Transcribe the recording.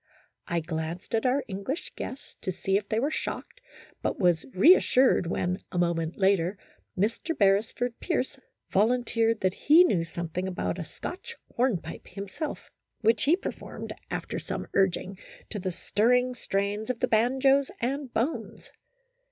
I glanced at our English guests to see if they were shocked, but was reassured when, a moment later, Mr. Beresford Pierce volunteered that he knew some thing about a Scotch hornpipe himself, which he performed, after some urging, to the stirring strains of the banjos and bones.